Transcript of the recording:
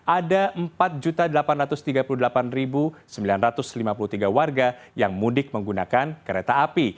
ada empat delapan ratus tiga puluh delapan sembilan ratus lima puluh tiga warga yang mudik menggunakan kereta api